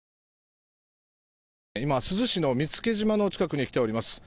今、珠洲市の見附島の近くに来ております。